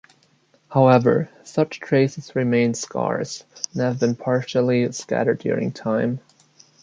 However, such traces remain scarce and have been partially scattered during time.